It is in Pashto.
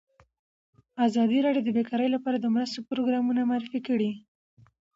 ازادي راډیو د بیکاري لپاره د مرستو پروګرامونه معرفي کړي.